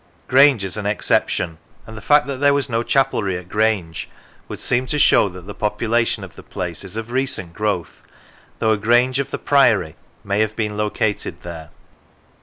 Grange is an exception: and the fact that there was no chapelry at Grange would seem to show that the population of the place is of recent growth, though a grange of the Priory may have been located there.